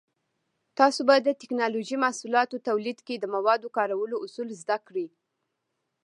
تاسو به د ټېکنالوجۍ محصولاتو تولید کې د موادو کارولو اصول زده کړئ.